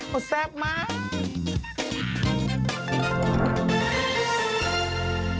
ทุกคนแซ่บมาก